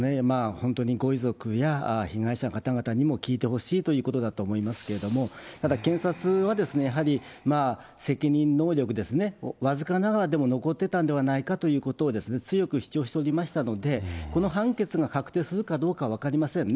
本当にご遺族や被害者の方々にも聞いてほしいということだと思いますけれども、ただ検察は、やはり責任能力ですね、僅かながらでも残ってたんではないかということを強く主張しておりましたので、この判決が確定するかどうかは分かりませんね。